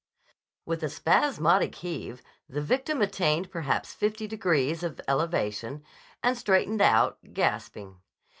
With a spasmodic heave, the victim attained perhaps fifty degrees of elevation, and straightened out, gasping.